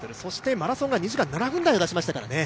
マラソンが２時間７分台を出しましたからね。